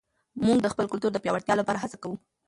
موږ د خپل کلتور د پیاوړتیا لپاره هڅه کوو.